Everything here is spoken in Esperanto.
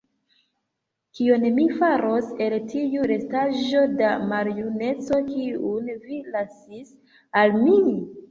Kion mi faros el tiu restaĵo da maljuneco, kiun vi lasis al mi?